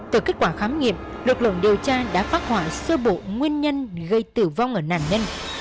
từ kết quả khám nghiệm lực lượng điều tra đã phát họa sơ bộ nguyên nhân gây tử vong ở nạn nhân